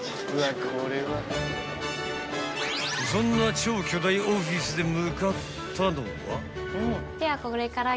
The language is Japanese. ［そんな超巨大オフィスで向かったのは］